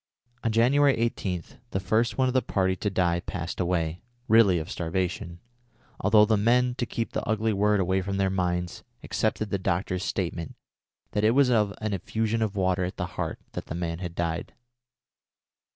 On January 18 the first one of the party to die passed away, really of starvation, although the men, to keep the ugly word away from their minds, accepted the doctor's statement that it was of an effusion of water at the heart that the man had died.